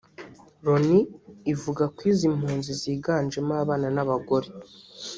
Loni ivuga ko izimpunzi ziganje mo abana n’abagore